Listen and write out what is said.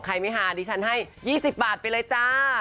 ใครไม่ฮาดิฉันให้๒๐บาทไปเลยจ้า